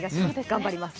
頑張ります。